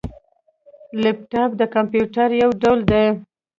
لیپټاپ د کمپيوټر یو ډول دی